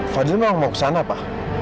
fadil memang mau ke sana pak